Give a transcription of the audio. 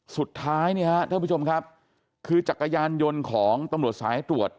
สุดท้ายนี้ในรบพอชภ์ครับคือจักรยานยนต์ของตำรวจสายตรวจ